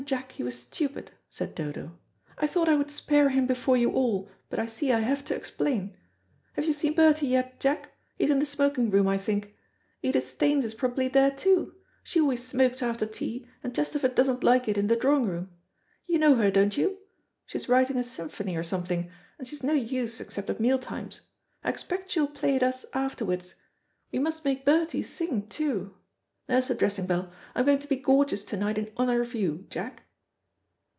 Jack he was stupid," said Dodo. "I thought I would spare him before you all, but I see I have to explain. Have you seen Bertie yet, Jack? He's in the smoking room, I think. Edith Staines is probably there too. She always smokes after tea, and Chesterford doesn't like it in the drawing room. You know her, don't you? She's writing a symphony or something, and she's no use except at meal times. I expect she will play it us afterwards. We must make Bertie sing too. There's the dressing bell. I'm going to be gorgeous to night in honour of you, Jack."